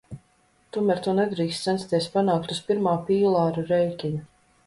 Tomēr to nedrīkst censties panākt uz pirmā pīlāra rēķina.